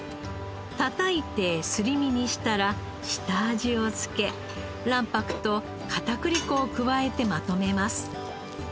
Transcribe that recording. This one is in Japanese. たたいてすり身にしたら下味を付け卵白と片栗粉を加えてまとめます。